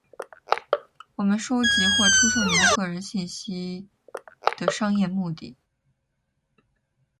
我们收集或出售您的个人信息的商业目的；